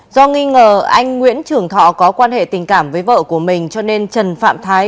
do nghi ngờ anh nguyễn trường thọ có quan hệ tình cảm với vợ của mình cho nên trần phạm thái